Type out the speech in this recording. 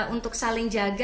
untuk saling jaga